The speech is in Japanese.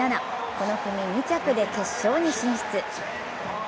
この組、２着で決勝に進出。